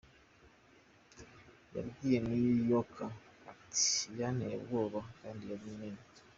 Yabwiye New Yorker ati “Yanteye ubwoba, kandi yari munini.